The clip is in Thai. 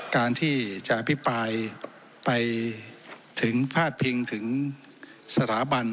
การที่จะอภิปรายไปถึงพาดพิงถึงสถาบัน